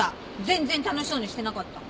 全然楽しそうにしてなかった。